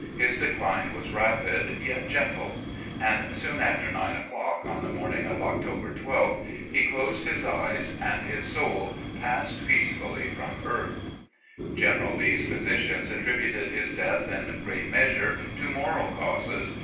His decline was rapid, yet gentle; and soon after nine o'clock, on the morning of October 12th, he closed his eyes, and his soul passed peacefully from earth. "General Lee's physicians attributed his death in great measure to moral causes.